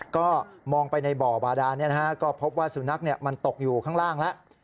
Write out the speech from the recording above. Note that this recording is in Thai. ก็มองไปในบ่อบาดานก็พบว่าสุนัขมันตกอยู่ข้างล่างแล้ว